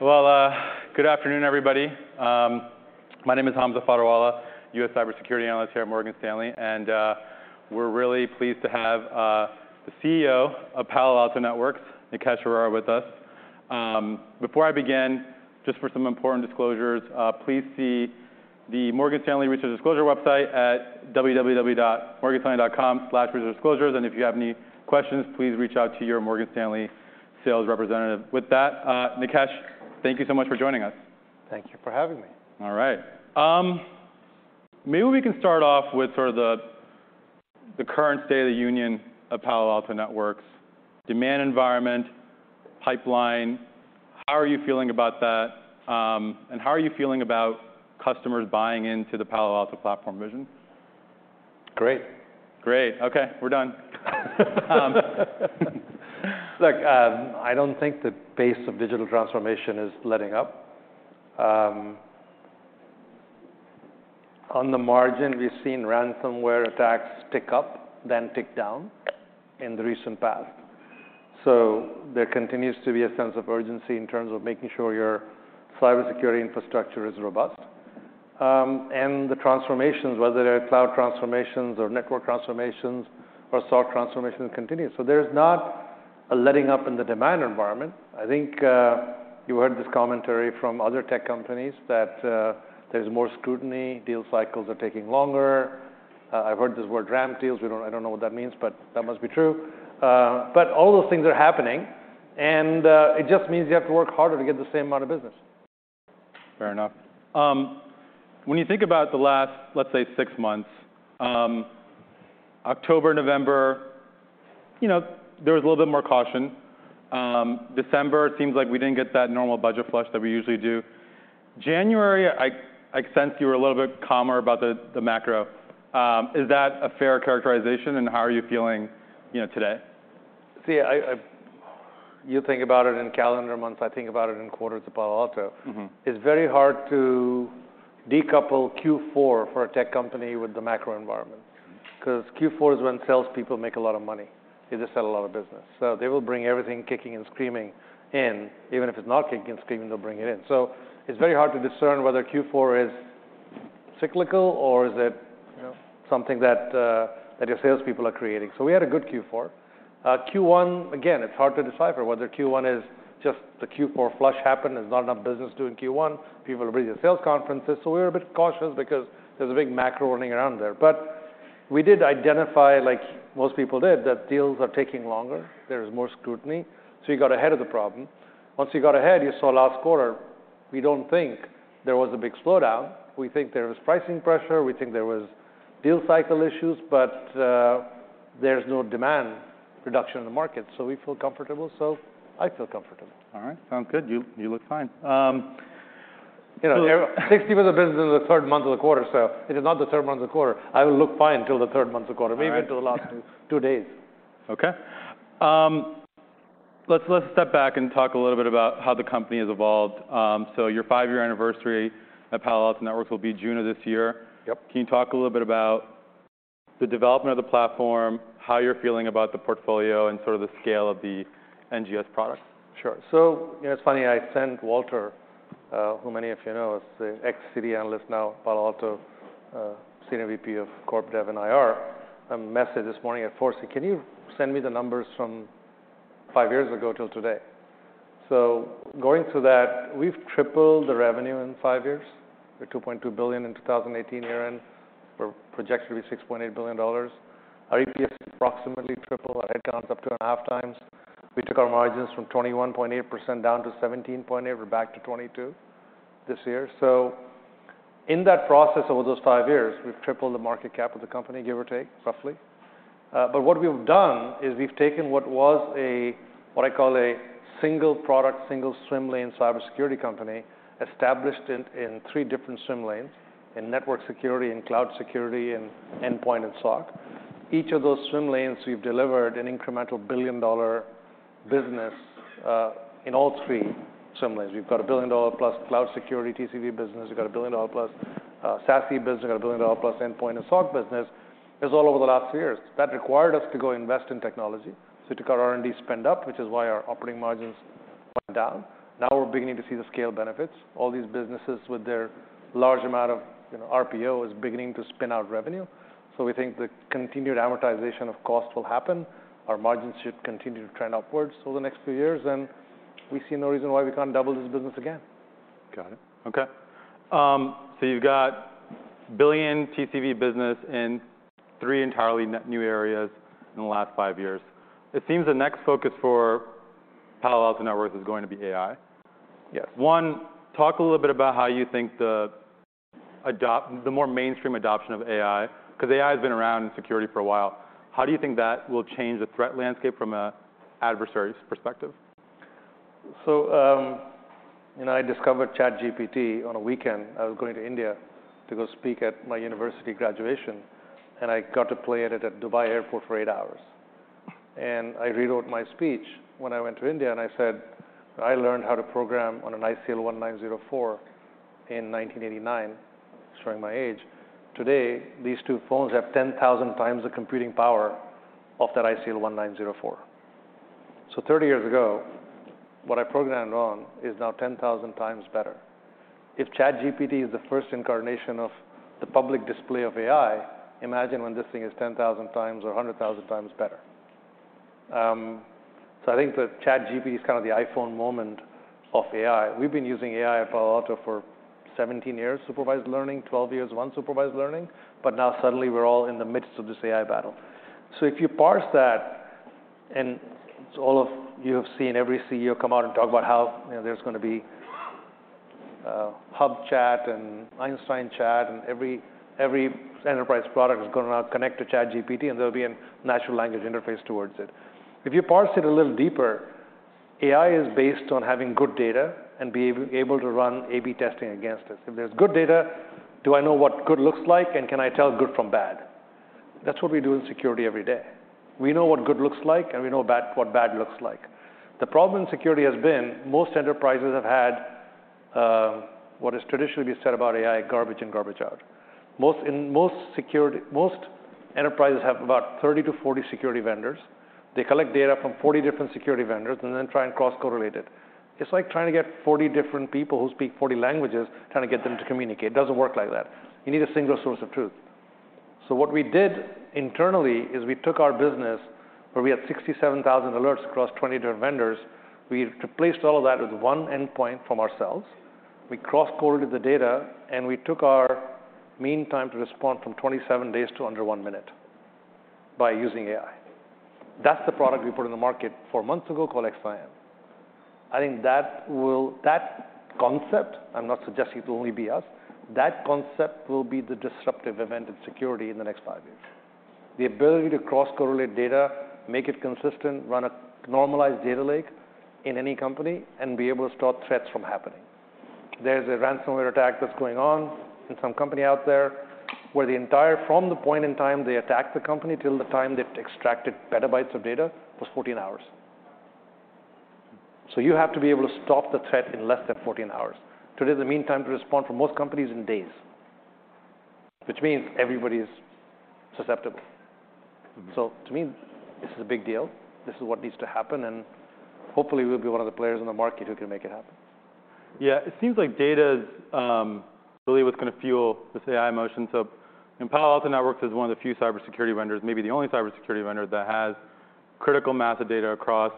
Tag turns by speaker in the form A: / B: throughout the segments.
A: Well, good afternoon, everybody. My name is Hamza Fodderwala, U.S. cybersecurity analyst here at Morgan Stanley, and we're really pleased to have the CEO of Palo Alto Networks, Nikesh Arora, with us. Before I begin, just for some important disclosures, please see the Morgan Stanley Research Disclosure website at www.morganstanley.com/researchdisclosures, and if you have any questions, please reach out to your Morgan Stanley sales representative. With that, Nikesh, thank you so much for joining us.
B: Thank you for having me.
A: All right. Maybe we can start off with sort of the current state of the union of Palo Alto Networks, demand environment, pipeline. How are you feeling about that, and how are you feeling about customers buying into the Palo Alto platform vision?
B: Great.
A: Great. Okay. We're done.
B: I don't think the pace of digital transformation is letting up. On the margin, we've seen ransomware attacks tick up, then tick down in the recent past. There continues to be a sense of urgency in terms of making sure your cybersecurity infrastructure is robust. The transformations, whether they're cloud transformations or network transformations or SOC transformations continue. There's not a letting up in the demand environment. I think, you heard this commentary from other tech companies that, there's more scrutiny, deal cycles are taking longer. I've heard this word RAM deals. I don't know what that means, but that must be true. All those things are happening, and, it just means you have to work harder to get the same amount of business.
A: Fair enough. When you think about the last, let's say, six months, October, November, you know, there was a little bit more caution. December, it seems like we didn't get that normal budget flush that we usually do. January, I sense you were a little bit calmer about the macro. Is that a fair characterization, and how are you feeling, you know, today?
B: See, You think about it in calendar months, I think about it in quarters at Palo Alto.
A: Mm-hmm.
B: It's very hard to decouple Q4 for a tech company with the macro environment, 'cause Q4 is when salespeople make a lot of money. They just sell a lot of business. They will bring everything kicking and screaming in, even if it's not kicking and screaming, they'll bring it in. It's very hard to discern whether Q4 is cyclical or is it...
A: Yeah...
B: something that your salespeople are creating. We had a good Q4. Q1, again, it's hard to decipher whether Q1 is just the Q4 flush happened, there's not enough business due in Q1. People are busy with sales conferences, so we're a bit cautious because there's a big macro running around there. We did identify, like most people did, that deals are taking longer. There is more scrutiny. You got ahead of the problem. Once you got ahead, you saw last quarter, we don't think there was a big slowdown. We think there was pricing pressure, we think there was deal cycle issues, but there's no demand reduction in the market. We feel comfortable. I feel comfortable.
A: All right. Sounds good. You look fine.
B: You know, 60% of the business is the third month of the quarter. It is not the third month of the quarter. I will look fine till the third month of the quarter.
A: All right.
B: Maybe until the last two days.
A: Let's step back and talk a little bit about how the company has evolved. Your 5-year anniversary at Palo Alto Networks will be June of this year.
B: Yep.
A: Can you talk a little bit about the development of the platform, how you're feeling about the portfolio, and sort of the scale of the NGS products?
B: Sure. You know, it's funny, I sent Walter, who many of you know is the ex-Citi analyst now Palo Alto, Senior VP of Corporate Development and IR, a message this morning at 4:00 said, Can you send me the numbers from five years ago till today? Going through that, we've tripled the revenue in five years, we're $2.2 billion in 2018 year-end. We're projected to be $6.8 billion. Our EPS is approximately triple. Our headcount's up 2.5x. We took our margins from 21.8% down to 17.8%. We're back to 22% this year. In that process, over those five years, we've tripled the market cap of the company, give or take, roughly. What we've done is we've taken what was a, what I call a single product, single swim lane cybersecurity company, established it in three different swim lanes, in network security, in cloud security, in endpoint and SOC. Each of those swim lanes, we've delivered an incremental billion-dollar business in all three swim lanes. We've got a billion-dollar-plus cloud security TCV business. We've got a billion-dollar-plus SASE business. We've got a billion-dollar-plus endpoint and SOC business. This is all over the last few years. That required us to go invest in technology. We took our R&D spend up, which is why our operating margins went down. We're beginning to see the scale benefits. All these businesses with their large amount of, you know, RPO is beginning to spin out revenue. We think the continued amortization of cost will happen. Our margins should continue to trend upwards over the next few years, and we see no reason why we can't double this business again.
A: Got it. Okay. You've got a $1 billion TCV business in three entirely net new areas in the last five years. It seems the next focus for Palo Alto Networks is going to be AI.
B: Yes.
A: One, talk a little bit about how you think the more mainstream adoption of AI, 'cause AI has been around in security for a while. How do you think that will change the threat landscape from a adversary's perspective?
B: You know, I discovered ChatGPT on a weekend. I was going to India to go speak at my university graduation, and I got to play at it at Dubai Airport for eight hours. I rewrote my speech when I went to India, and I said, I learned how to program on an ICL 1904 in 1989, showing my age. Today, these two phones have 10,000 times the computing power of that ICL 1904. 30 years ago, what I programmed on is now 10,000 times better. If ChatGPT is the first incarnation of the public display of AI, imagine when this thing is 10,000 times or 100,000 times better. I think that ChatGPT is kind of the iPhone moment of AI. We've been using AI at Palo Alto for 17 years, supervised learning, 12 years, unsupervised learning. Now suddenly we're all in the midst of this AI battle. If you parse that, all of you have seen every CEO come out and talk about how, you know, there's gonna be ChatSpot and Einstein Chat, and every enterprise product is gonna now connect to ChatGPT, and there'll be a natural language interface towards it. If you parse it a little deeper, AI is based on having good data and be able to run A/B testing against us. If there's good data, do I know what good looks like and can I tell good from bad? That's what we do in security every day. We know what good looks like, and we know what bad looks like. The problem in security has been most enterprises have had what has traditionally been said about AI, garbage in, garbage out. Most enterprises have about 30-40 security vendors. They collect data from 40 different security vendors and then try and cross-correlate it. It's like trying to get 40 different people who speak 40 languages, trying to get them to communicate. It doesn't work like that. You need a single source of truth. What we did internally is we took our business, where we had 67,000 alerts across 20 different vendors. We replaced all of that with one endpoint from ourselves. We cross-correlated the data, and we took our Mean Time to Respond from 27 days to under one minute by using AI. That's the product we put in the market four months ago called XSIAM. I think that will... That concept, I'm not suggesting it will only be us, that concept will be the disruptive event in security in the next five years. The ability to cross-correlate data, make it consistent, run a normalized data lake in any company, and be able to stop threats from happening. There's a ransomware attack that's going on in some company out there, where the entire, from the point in time they attacked the company till the time they've extracted petabytes of data, was 14 hours. You have to be able to stop the threat in less than 14 hours. Today, the Mean Time to Respond for most companies in days, which means everybody is susceptible.
A: Mm-hmm.
B: To me, this is a big deal. This is what needs to happen, and hopefully, we'll be one of the players in the market who can make it happen.
A: Yeah. It seems like data is really what's gonna fuel this AI motion. And Palo Alto Networks is one of the few cybersecurity vendors, maybe the only cybersecurity vendor that has critical mass of data across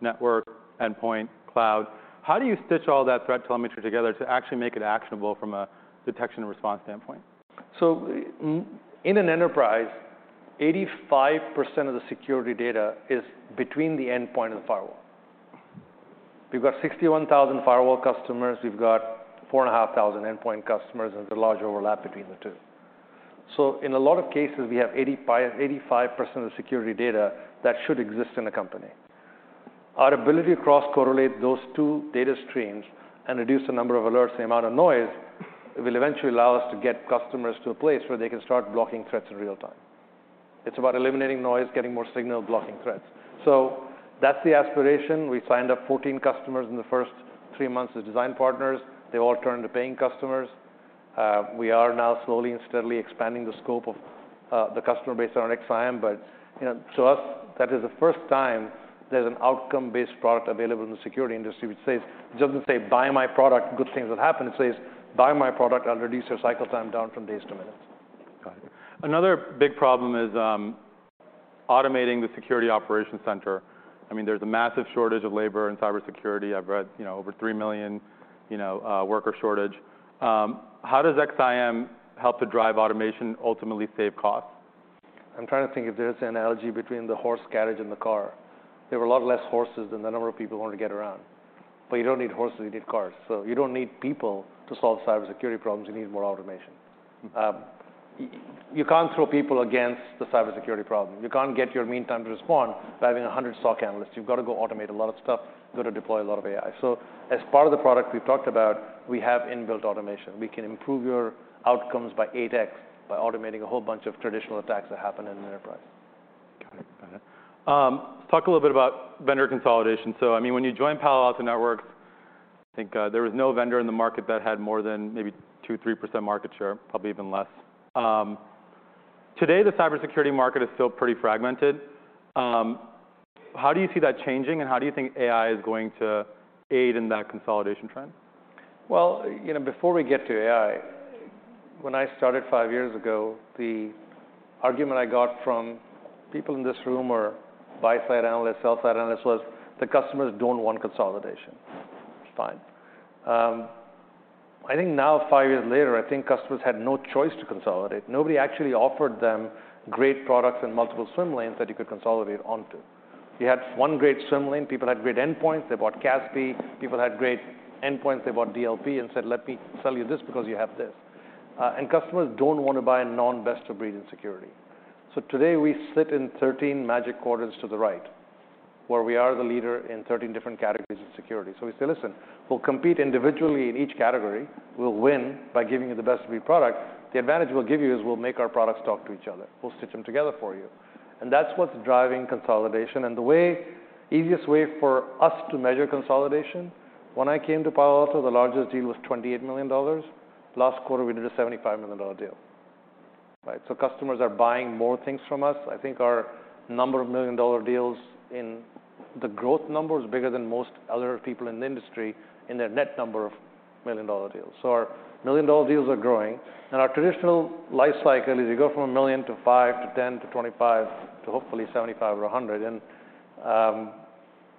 A: network, endpoint, cloud. How do you stitch all that threat telemetry together to actually make it actionable from a detection and response standpoint?
B: In an enterprise, 85% of the security data is between the endpoint and the firewall. We've got 61,000 firewall customers. We've got 4,500 endpoint customers, there's a large overlap between the two. In a lot of cases, we have 85% of the security data that should exist in a company. Our ability to cross-correlate those two data streams and reduce the number of alerts, the amount of noise, it will eventually allow us to get customers to a place where they can start blocking threats in real time. It's about eliminating noise, getting more signal, blocking threats. That's the aspiration. We signed up 14 customers in the first three months as design partners. They all turned to paying customers. We are now slowly and steadily expanding the scope of the customer base on our XSIAM. You know, to us, that is the first time there's an outcome-based product available in the security industry. It doesn't say, Buy my product, good things will happen. It says, Buy my product, I'll reduce your cycle time down from days to minutes.
A: Got it. Another big problem is, automating the security operations center. I mean, there's a massive shortage of labor in cybersecurity. I've read, you know, over 3 million, you know, worker shortage. How does XSIAM help to drive automation, ultimately save costs?
B: I'm trying to think if there's an analogy between the horse carriage and the car. There were a lot less horses than the number of people who wanted to get around. You don't need horses, you need cars. You don't need people to solve cybersecurity problems, you need more automation. You can't throw people against the cybersecurity problem. You can't get your Mean Time to Respond by having 100 SOC analysts. You've got to go automate a lot of stuff, you gotta deploy a lot of AI. As part of the product we've talked about, we have inbuilt automation. We can improve your outcomes by 8x by automating a whole bunch of traditional attacks that happen in an enterprise.
A: Got it. Got it. Let's talk a little bit about vendor consolidation. I mean, when you joined Palo Alto Networks, I think, there was no vendor in the market that had more than maybe 2%-3% market share, probably even less. Today, the cybersecurity market is still pretty fragmented. How do you see that changing, and how do you think AI is going to aid in that consolidation trend?
B: You know, before we get to AI, when I started five years ago, the argument I got from people in this room or buy-side analysts, sell-side analysts, was the customers don't want consolidation. Fine. I think now, five years later, I think customers had no choice to consolidate. Nobody actually offered them great products and multiple swim lanes that you could consolidate onto. You had one great swim lane. People had great endpoints, they bought CASB. People had great endpoints, they bought DLP, said, Let me sell you this because you have this. Customers don't wanna buy a non-best of breed in security. Today we sit in 13 Magic Quadrant to the right, where we are the leader in 13 different categories of security. We say, Listen, we'll compete individually in each category. We'll win by giving you the best V product. The advantage we'll give you is we'll make our products talk to each other. We'll stitch them together for you. That's what's driving consolidation. Easiest way for us to measure consolidation, when I came to Palo Alto, the largest deal was $28 million. Last quarter, we did a $75 million deal, right? Customers are buying more things from us. I think our number of million-dollar deals in the growth number is bigger than most other people in the industry in their net number of million-dollar deals. Our million-dollar deals are growing, and our traditional life cycle is you go from $1 million to $5 million to $10 million to $25 million to, hopefully, $75 million or $100 million.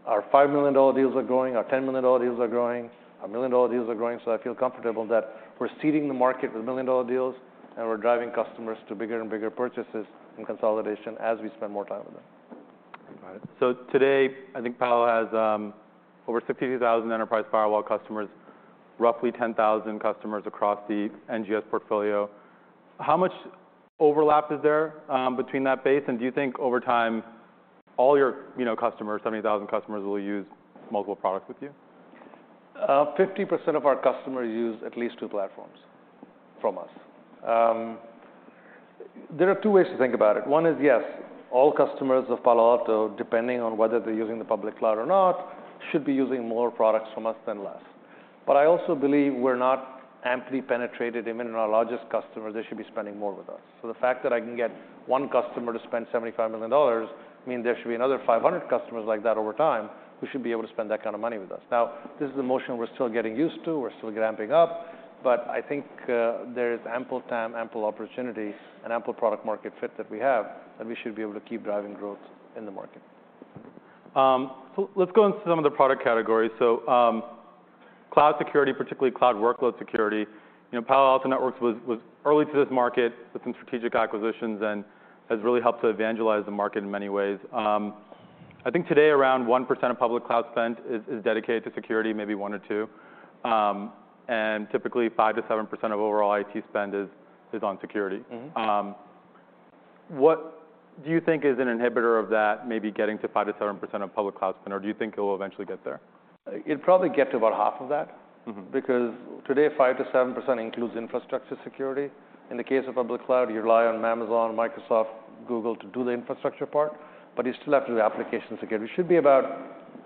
B: Our $5 million deals are growing. Our $10 million deals are growing. Our million-dollar deals are growing. I feel comfortable that we're seeding the market with million-dollar deals, and we're driving customers to bigger and bigger purchases and consolidation as we spend more time with them.
A: All right. Today, I think Palo has over 62,000 enterprise firewall customers, roughly 10,000 customers across the NGS portfolio. How much overlap is there between that base, and do you think over time all your, you know, customers, 70,000 customers, will use multiple products with you?
B: 50% of our customers use at least two platforms from us. There are two ways to think about it. One is, yes, all customers of Palo Alto Networks, depending on whether they're using the public cloud or not, should be using more products from us than less. I also believe we're not amply penetrated. Even in our largest customers, they should be spending more with us. The fact that I can get one customer to spend $75 million means there should be another 500 customers like that over time who should be able to spend that kind of money with us. This is a motion we're still getting used to. We're still ramping up. I think there's ample time, ample opportunity, and ample product market fit that we have, and we should be able to keep driving growth in the market.
A: Let's go into some of the product categories. Cloud security, particularly cloud workload security, you know, Palo Alto Networks was early to this market with some strategic acquisitions and has really helped to evangelize the market in many ways. I think today around 1% of public cloud spend is dedicated to security, maybe one or two. Typically 5%-7% of overall IT spend is on security.
B: Mm-hmm.
A: What do you think is an inhibitor of that maybe getting to 5% to 7% of public cloud spend, or do you think it will eventually get there?
B: It'd probably get to about half of that.
A: Mm-hmm.
B: Today, 5%-7% includes infrastructure security. In the case of public cloud, you rely on Amazon, Microsoft, Google to do the infrastructure part, but you still have to do application security. It should be about,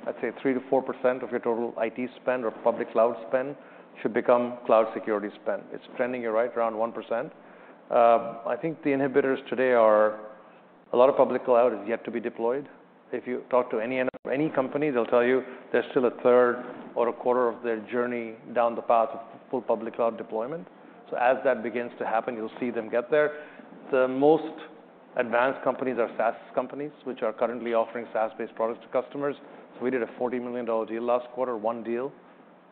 B: I'd say, 3%-4% of your total IT spend or public cloud spend should become cloud security spend. It's trending, you're right, around 1%. I think the inhibitors today are a lot of public cloud has yet to be deployed. If you talk to any company, they'll tell you they're still a third or a quarter of their journey down the path of full public cloud deployment. As that begins to happen, you'll see them get there. The most advanced companies are SaaS companies, which are currently offering SaaS-based products to customers. We did a $40 million deal last quarter, one deal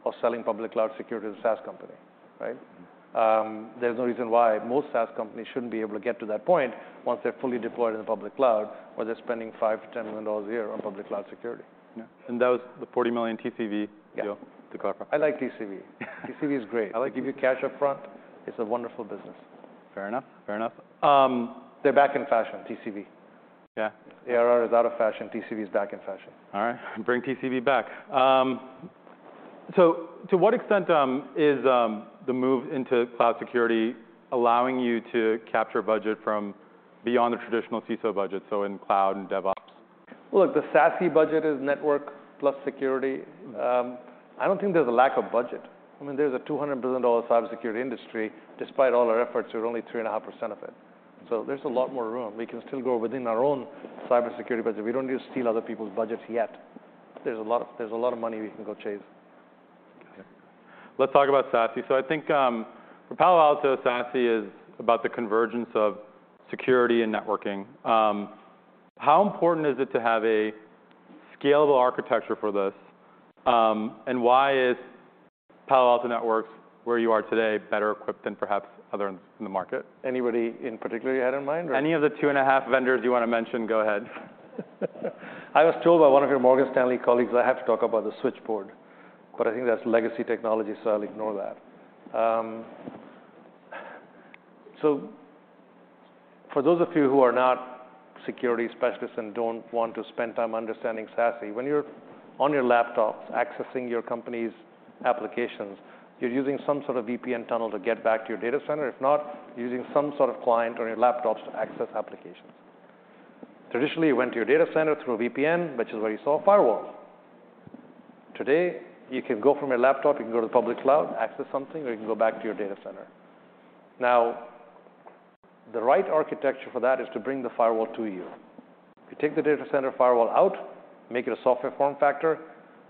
B: of selling public cloud security to a SaaS company, right? There's no reason why most SaaS companies shouldn't be able to get to that point once they're fully deployed in the public cloud, where they're spending $5 million-$10 million a year on public cloud security.
A: Yeah. That was the $40 million TCV deal.
B: Yeah
A: to Cloudflare.
B: I like TCV. TCV is great.
A: I like.
B: They give you cash up front. It's a wonderful business.
A: Fair enough. Fair enough.
B: They're back in fashion, TCV.
A: Yeah.
B: ARR is out of fashion. TCV is back in fashion.
A: All right. Bring TCV back. To what extent is the move into cloud security allowing you to capture budget from beyond the traditional CISO budget, so in cloud and DevOps?
B: Look, the SASE budget is network plus security. I don't think there's a lack of budget. I mean, there's a $200 billion cybersecurity industry. Despite all our efforts, we're only 3.5% of it. There's a lot more room. We can still grow within our own cybersecurity budget. We don't need to steal other people's budgets yet. There's a lot of money we can go chase.
A: Got it. Let's talk about SASE. I think, for Palo Alto, SASE is about the convergence of security and networking. How important is it to have a scalable architecture for this, and why is Palo Alto Networks, where you are today, better equipped than perhaps others in the market?
B: Anybody in particular you had in mind, or?
A: Any of the 2.5 vendors you want to mention, go ahead.
B: I was told by one of your Morgan Stanley colleagues I have to talk about the switchboard, but I think that's legacy technology, so I'll ignore that. For those of you who are not security specialists and don't want to spend time understanding SASE, when you're on your laptops accessing your company's applications, you're using some sort of VPN tunnel to get back to your data center. If not, using some sort of client on your laptops to access applications. Traditionally, you went to your data center through a VPN, which is where you saw a firewall. Today, you can go from your laptop, you can go to the public cloud, access something, or you can go back to your data center. The right architecture for that is to bring the firewall to you. You take the data center firewall out, make it a software form factor.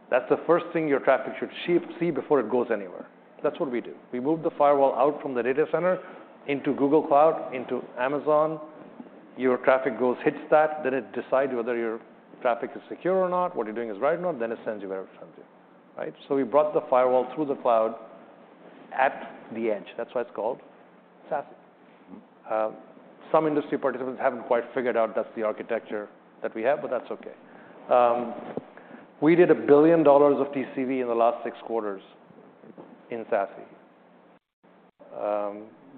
B: That's the first thing your traffic should see before it goes anywhere. That's what we do. We move the firewall out from the data center into Google Cloud, into Amazon. Your traffic goes, hits that, it decides whether your traffic is secure or not, what you're doing is right or not, then it sends you wherever it sends you. Right? We brought the firewall through the cloud at the edge. That's why it's called SASE. Some industry participants haven't quite figured out that's the architecture that we have, that's okay. We did $1 billion of TCV in the last 6 quarters in SASE.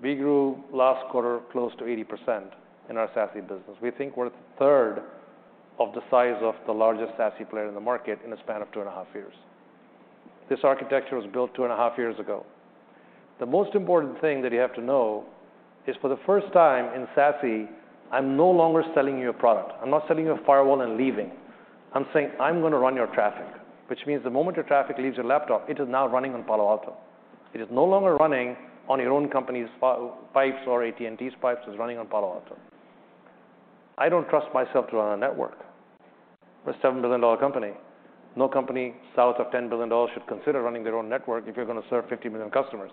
B: We grew last quarter close to 80% in our SASE business. We think we're a third of the size of the largest SASE player in the market in a span of two and a half years. This architecture was built two and a half years ago. The most important thing that you have to know is, for the first time in SASE, I'm no longer selling you a product. I'm not selling you a firewall and leaving. I'm saying, I'm gonna run your traffic, which means the moment your traffic leaves your laptop, it is now running on Palo Alto. It is no longer running on your own company's pipes or AT&T's pipes. It's running on Palo Alto. I don't trust myself to run a network. We're a $7 billion company. No company south of $10 billion should consider running their own network if you're gonna serve 50 million customers.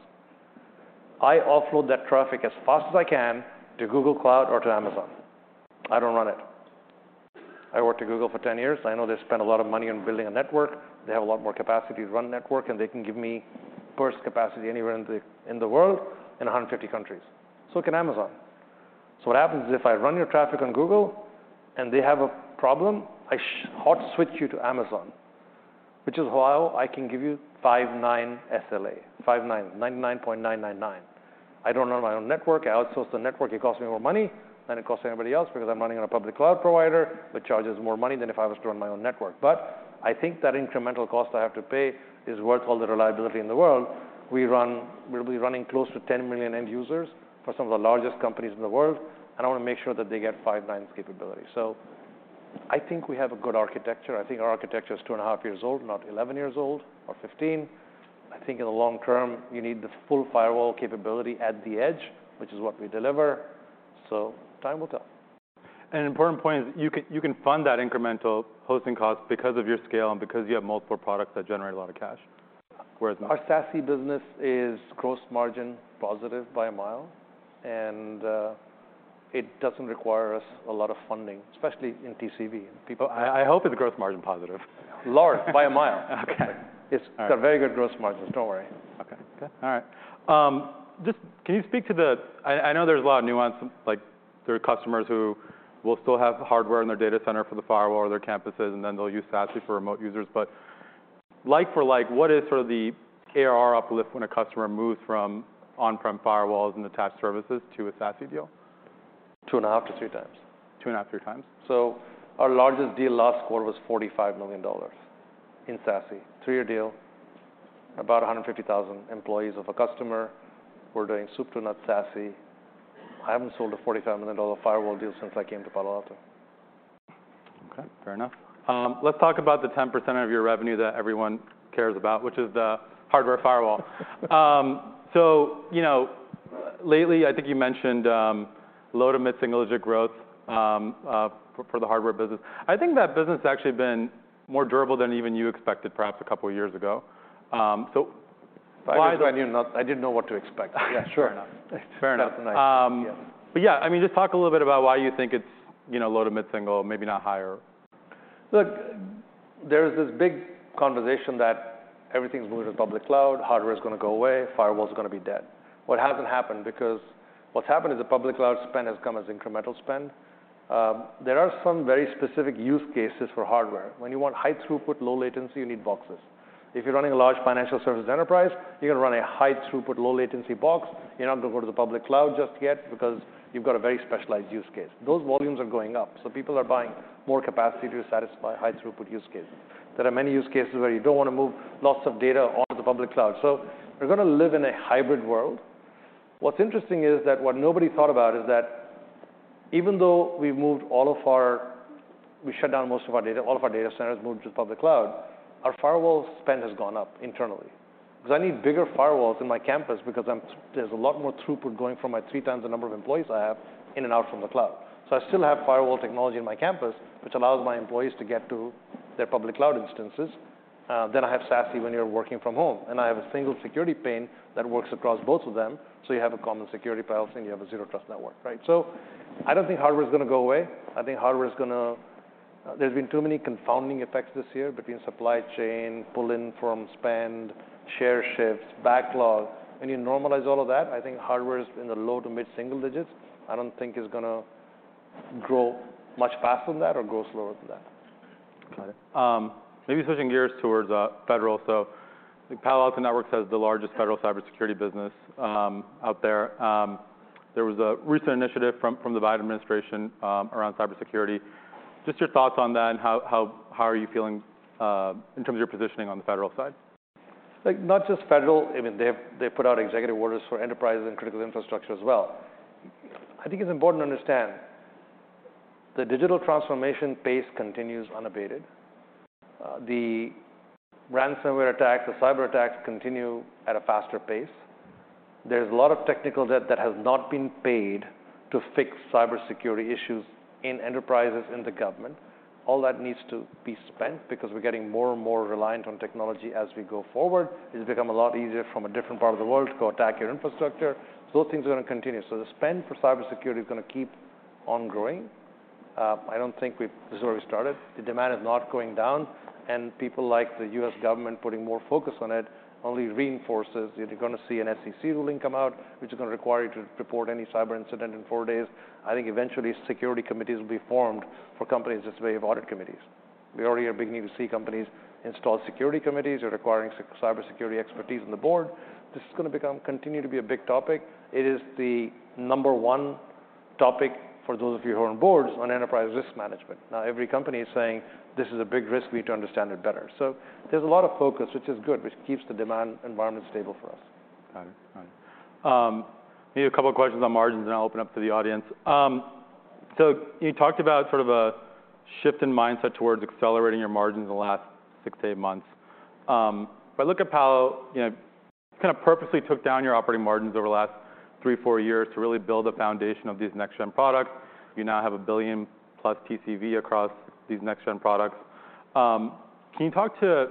B: I offload that traffic as fast as I can to Google Cloud or to Amazon. I don't run it. I worked at Google for 10 years. I know they spent a lot of money on building a network. They have a lot more capacity to run network, and they can give me burst capacity anywhere in the, in the world, in 150 countries. Can Amazon. What happens is, if I run your traffic on Google and they have a problem, I hot switch you to Amazon, which is how I can give you five nine SLA. Five nines, 99.999. I don't run my own network. I outsource the network. It costs me more money than it costs anybody else because I'm running on a public cloud provider that charges more money than if I was to run my own network. I think that incremental cost I have to pay is worth all the reliability in the world. We'll be running close to 10 million end users for some of the largest companies in the world. I wanna make sure that they get five nines capability. I think we have a good architecture. I think our architecture is two and a half years old, not 11 years old or 15. I think in the long term, you need the full firewall capability at the edge, which is what we deliver. Time will tell.
A: An important point is you can fund that incremental hosting cost because of your scale and because you have multiple products that generate a lot of cash, whereas not.
B: Our SASE business is gross margin positive by a mile, and it doesn't require us a lot of funding, especially in TCV.
A: I hope it's growth margin positive.
B: Large, by a mile.
A: Okay. All right.
B: It's got very good gross margins. Don't worry.
A: Okay.
B: Okay.
A: All right. just can you speak to the... I know there's a lot of nuance, like there are customers who will still have hardware in their data center for the firewall or their campuses, and then they'll use SASE for remote users. Like for like, what is sort of the ARR uplift when a customer moves from on-prem firewalls and attached services to a SASE deal?
B: Two and a half to 3x.
A: 2.5, 3x.
B: Our largest deal last quarter was $45 million in SASE. Three-year deal, about 150,000 employees of a customer. We're doing soup to nuts SASE. I haven't sold a $45 million firewall deal since I came to Palo Alto.
A: Okay, fair enough. Let's talk about the 10% of your revenue that everyone cares about, which is the hardware firewall. You know, lately, I think you mentioned low to mid-single digit growth for the hardware business. I think that business has actually been more durable than even you expected perhaps a couple of years ago. Why is it-
B: I didn't know what to expect.
A: Sure. Fair enough.
B: That's nice. Yeah.
A: Yeah, I mean, just talk a little bit about why you think it's, you know, low to mid-single, maybe not higher?
B: Look, there's this big conversation that everything's moving to public cloud, hardware is gonna go away, firewall's gonna be dead. Well, it hasn't happened because what's happened is the public cloud spend has come as incremental spend. There are some very specific use cases for hardware. When you want high throughput, low latency, you need boxes. If you're running a large financial service enterprise, you're gonna run a high throughput, low latency box. You're not gonna go to the public cloud just yet because you've got a very specialized use case. Those volumes are going up, so people are buying more capacity to satisfy high throughput use cases. There are many use cases where you don't wanna move lots of data onto the public cloud. We're gonna live in a hybrid world. What's interesting is that what nobody thought about is that even though we shut down most of our data, all of our data centers moved to the public cloud, our firewall spend has gone up internally. Because I need bigger firewalls in my campus because there's a lot more throughput going from my 3x the number of employees I have in and out from the cloud. I still have firewall technology on my campus, which allows my employees to get to their public cloud instances. I have SASE when you're working from home, and I have a single security pane that works across both of them, so you have a common security policy, and you have a zero trust network, right? I don't think hardware is gonna go away. There's been too many confounding effects this year between supply chain, pull-in from spend, share shifts, backlogs. When you normalize all of that, I think hardware is in the low to mid-single digits. I don't think it's gonna grow much faster than that or grow slower than that.
A: Got it. Maybe switching gears towards federal. I think Palo Alto Networks has the largest federal cybersecurity business out there. There was a recent initiative from the Biden administration around cybersecurity. Just your thoughts on that and how, how are you feeling in terms of your positioning on the federal side?
B: Like, not just federal. I mean, they put out executive orders for enterprises and critical infrastructure as well. I think it's important to understand the digital transformation pace continues unabated. The ransomware attacks, the cyberattacks continue at a faster pace. There's a lot of technical debt that has not been paid to fix cybersecurity issues in enterprises in the government. All that needs to be spent because we're getting more and more reliant on technology as we go forward. It's become a lot easier from a different part of the world to go attack your infrastructure. Those things are gonna continue. The spend for cybersecurity is gonna keep on growing. I don't think this is where we started. The demand is not going down, and people like the US government putting more focus on it only reinforces it. You're gonna see an SEC ruling come out, which is gonna require you to report any cyber incident in four days. I think eventually security committees will be formed for companies just the way of audit committees. We already are beginning to see companies install security committees. They're requiring cybersecurity expertise on the board. This is gonna continue to be a big topic. It is the number one topic for those of you who are on boards on Enterprise Risk Management. Now, every company is saying, This is a big risk. We need to understand it better. There's a lot of focus, which is good, which keeps the demand environment stable for us.
A: Got it. Maybe a couple of questions on margins, then I'll open up to the audience. You talked about sort of a shift in mindset towards accelerating your margins in the last six to eight months. Look at Palo, you know, kind of purposely took down your operating margins over the last three, four years to really build a foundation of these next-gen products. You now have a $1 billion+ TCV across these next-gen products. Can you talk to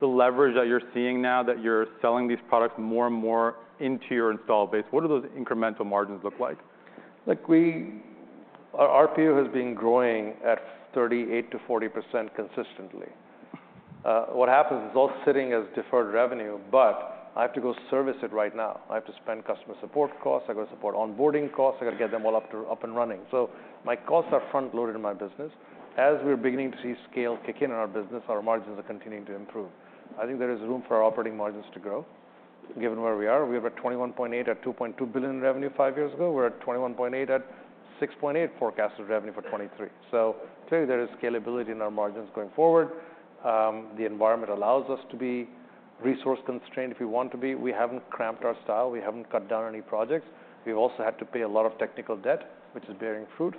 A: the leverage that you're seeing now that you're selling these products more and more into your install base? What do those incremental margins look like?
B: Look, our RPO has been growing at 38%-40% consistently. What happens is it's all sitting as deferred revenue, but I have to go service it right now. I have to spend customer support costs. I've got support onboarding costs. I gotta get them all up and running. My costs are front-loaded in my business. As we're beginning to see scale kick in on our business, our margins are continuing to improve. I think there is room for our operating margins to grow, given where we are. We were at 21.8 at $2.2 billion in revenue five years ago. We're at 21.8 at $6.8 billion forecasted revenue for 2023. Clearly there is scalability in our margins going forward. The environment allows us to be resource constrained if we want to be. We haven't cramped our style. We haven't cut down any projects. We've also had to pay a lot of technical debt, which is bearing fruit.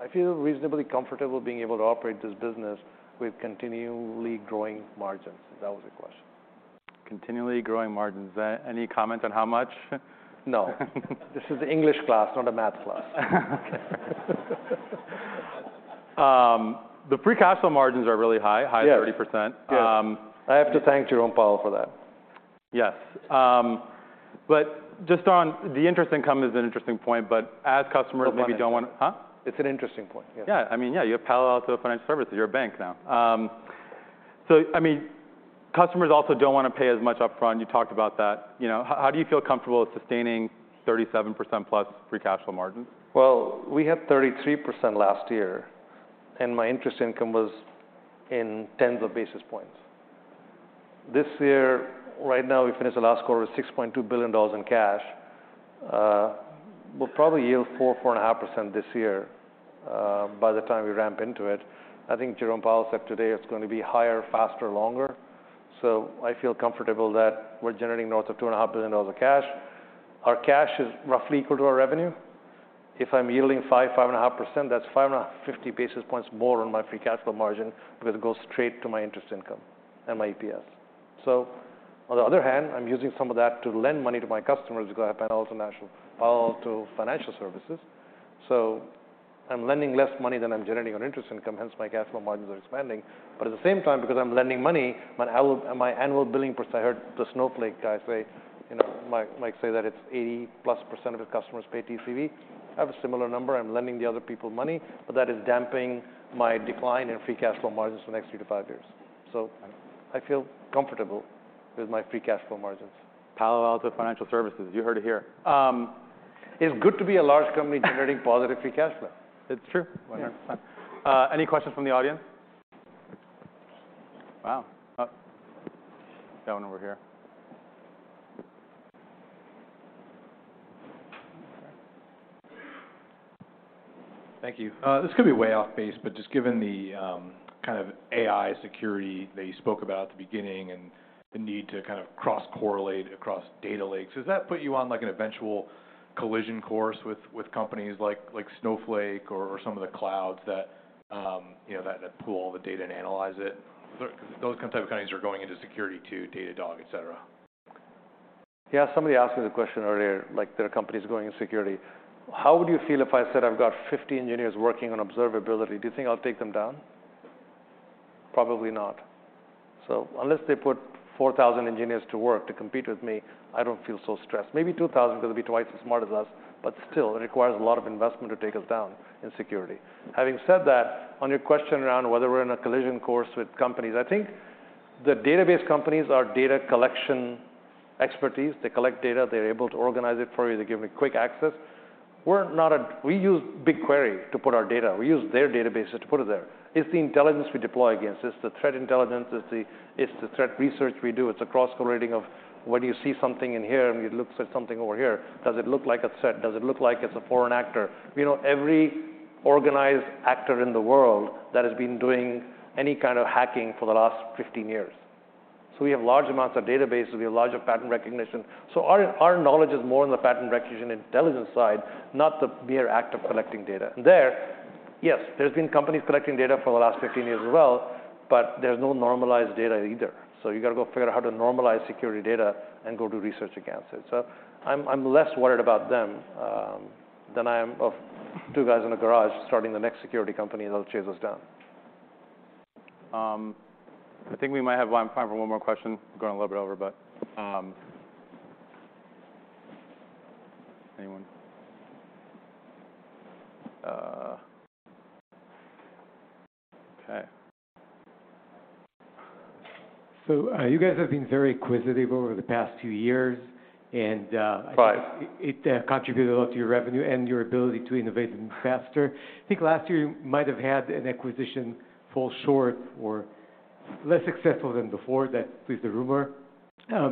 B: I feel reasonably comfortable being able to operate this business with continually growing margins, if that was your question.
A: Continually growing margins. Any comment on how much?
B: No. This is English class, not a math class.
A: The free cash flow margins are really high.
B: Yes.
A: High 30s%.
B: Yes.
A: Um-
B: I have to thank Jerome Powell for that.
A: Yes. Just on the interest income is an interesting point. As customers maybe.
B: It's an interesting point.
A: Huh?
B: It's an interesting point, yes.
A: Yeah. I mean, yeah, you have Palo Alto Financial Services. You're a bank now. I mean, customers also don't wanna pay as much upfront. You talked about that. You know, how do you feel comfortable with sustaining 37% plus free cash flow margins?
B: Well, we had 33% last year, and my interest income was in tens of basis points. This year, right now, we finished the last quarter with $6.2 billion in cash. We'll probably yield 4%, 4.5% this year, by the time we ramp into it. I think Jerome Powell said today it's going to be higher, faster, longer. I feel comfortable that we're generating north of $2.5 billion of cash. Our cash is roughly equal to our revenue. If I'm yielding 5%, 5.5%, that's 50 basis points more on my free cash flow margin because it goes straight to my interest income and my EPS. On the other hand, I'm using some of that to lend money to my customers because I have Palo Alto Financial Services. I'm lending less money than I'm generating on interest income, hence my cash flow margins are expanding. At the same time, because I'm lending money, my annual billing per I heard the Snowflake guy say, you know, Mike say that it's 80+% of his customers pay TCV. I have a similar number. I'm lending the other people money, but that is damping my decline in free cash flow margins for the next three-five years. I feel comfortable with my free cash flow margins.
A: Palo Alto Financial Services. You heard it here.
B: It's good to be a large company generating positive free cash flow.
A: It's true.
B: Yeah.
A: Wonderful. Any questions from the audience? Wow. Oh. That one over here.
C: Thank you. This could be way off base, but just given the kind of AI security that you spoke about at the beginning and the need to kind of cross-correlate across data lakes, does that put you on, like, an eventual collision course with companies like Snowflake or some of the clouds that, you know, that pull all the data and analyze it? Those type of companies are going into security too, Datadog, et cetera.
B: Somebody asked me the question earlier, like, there are companies going in security. How would you feel if I said I've got 50 engineers working on observability? Do you think I'll take them down? Probably not. Unless they put 4,000 engineers to work to compete with me, I don't feel so stressed. Maybe 2,000 'cause they'll be twice as smart as us, still, it requires a lot of investment to take us down in security. Having said that, on your question around whether we're in a collision course with companies, I think the database companies are data collection expertise. They collect data. They're able to organize it for you. They give you quick access. We're not. We use BigQuery to put our data. We use their databases to put it there. It's the intelligence we deploy against. It's the threat intelligence, it's the threat research we do. It's a cross-correlating of when you see something in here, and you look at something over here, does it look like a threat? Does it look like it's a foreign actor? We know every organized actor in the world that has been doing any kind of hacking for the last 1five years. We have large amounts of database, so we have larger pattern recognition. Our knowledge is more on the pattern recognition intelligence side, not the mere act of collecting data. There, yes, there's been companies collecting data for the last 1five years as well, but there's no normalized data either. You gotta go figure out how to normalize security data and go do research against it. I'm less worried about them than I am of two guys in a garage starting the next security company that'll chase us down.
A: I think we might have time for one more question. We're going a little bit over, but anyone? Okay.
C: You guys have been very acquisitive over the past few years, and.
B: Right...
C: it contributed a lot to your revenue and your ability to innovate even faster. I think last year you might have had an acquisition fall short or less successful than before. That at least the rumor.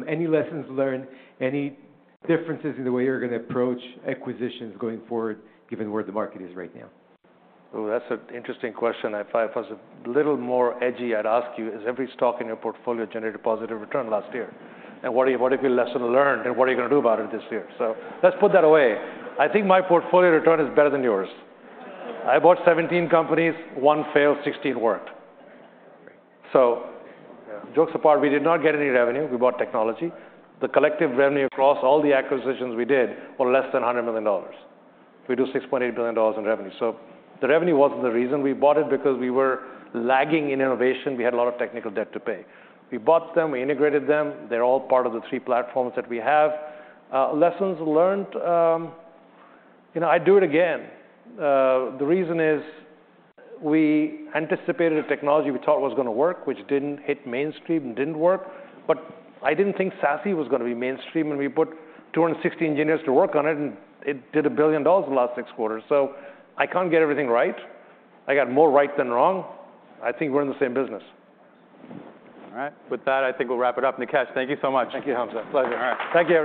C: Any lessons learned? Any differences in the way you're gonna approach acquisitions going forward given where the market is right now?
B: That's an interesting question. If I was a little more edgy, I'd ask you, has every stock in your portfolio generated positive return last year? What is your lesson learned, and what are you gonna do about it this year? Let's put that away. I think my portfolio return is better than yours. I bought 17 companies. One failed. 16 worked.
C: Great.
B: Jokes apart, we did not get any revenue. We bought technology. The collective revenue across all the acquisitions we did were less than $100 million. We do $6.8 billion in revenue. The revenue wasn't the reason. We bought it because we were lagging in innovation. We had a lot of technical debt to pay. We bought them. We integrated them. They're all part of the three platforms that we have. Lessons learned, you know, I'd do it again. The reason is we anticipated a technology we thought was gonna work, which didn't hit mainstream and didn't work. I didn't think SASE was gonna be mainstream, and we put 260 engineers to work on it, and it did $1 billion in the last six quarters. I can't get everything right. I got more right than wrong. I think we're in the same business.
A: All right. With that, I think we'll wrap it up. Nikesh, thank you so much.
B: Thank you, Hamza. Pleasure. All right. Thank you, everyone.